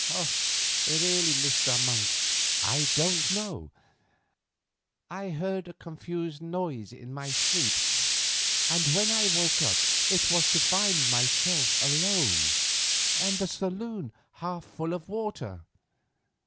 "Really, Mr. Monk, I don't know. I heard a confused noise in my sleep, and when I woke up it was to find myself alone, and the saloon half full of water.